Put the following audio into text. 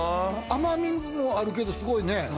甘みもあるけどすごいね。